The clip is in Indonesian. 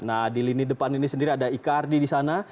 nah di lini depan ini sendiri ada icardi di sana